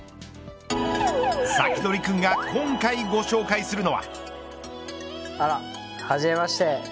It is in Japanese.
サキドリくんが今回ご紹介するのは。